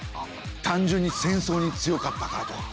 単純に戦争に強かったからとか。